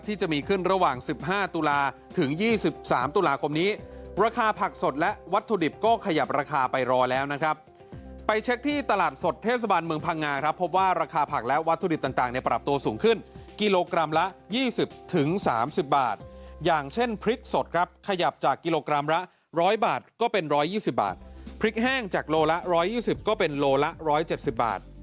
ที่มีขึ้นระหว่าง๑๕ตุลาถึง๒๓ตุลาคมนี้ราคาผักสดและวัตถุดิบก็ขยับราคาไปรอแล้วนะครับไปเช็คที่ตลาดสดเทศบาลเมืองพังงาครับพบว่าราคาผักและวัตถุดิบต่างเนี่ยปรับตัวสูงขึ้นกิโลกรัมละ๒๐๓๐บาทอย่างเช่นพริกสดครับขยับจากกิโลกรัมละ๑๐๐บาทก็เป็น๑๒๐บาทพริกแห้งจากโลละ๑๒๐ก็เป็นโลละ๑๗๐บาท